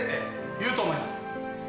言うと思います。